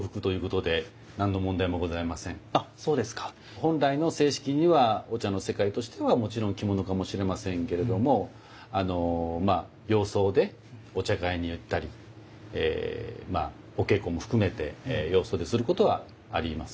本来の正式にはお茶の世界としてはもちろん着物かもしれませんけれども洋装でお茶会に行ったりお稽古も含めて洋装ですることはあります。